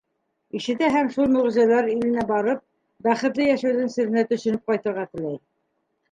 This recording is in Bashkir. Ишетә һәм, шул мөғжизәләр иленә барып, бәхетле йәшәүҙең серенә төшөнөп ҡайтырға теләй.